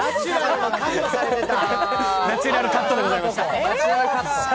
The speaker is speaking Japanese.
ナチュラルカットでございました。